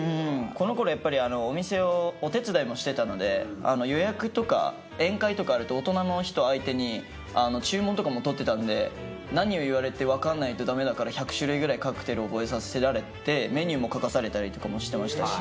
この頃やっぱりお店をお手伝いもしてたので予約とか宴会とかあると大人の人相手に注文とかもとってたので何を言われてわかんないとだめだから１００種類くらいカクテル覚えさせられてメニューも書かされたりとかもしてましたし。